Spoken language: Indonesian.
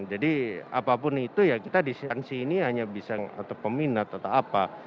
jadi apapun itu ya kita di sini hanya bisa atau peminat atau apa